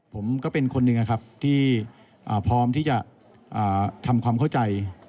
ผมก็เป็นคนหนึ่งนะครับที่พร้อมที่จะทำความเข้าใจ